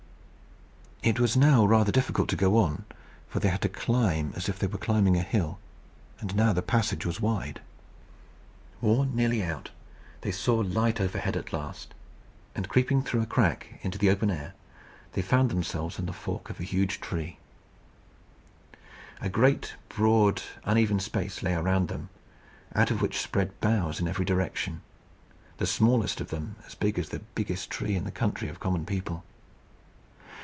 It was now rather difficult to go on, for they had to climb as if they were climbing a hill; and now the passage was wide. Nearly worn out, they saw light overhead at last, and creeping through a crack into the open air, found themselves on the fork of a huge tree. A great, broad, uneven space lay around them, out of which spread boughs in every direction, the smallest of them as big as the biggest tree in the country of common people.